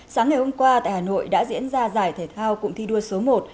sáng ngày hôm qua tại hà nội đã diễn ra giải thể thao cụng thi đua số một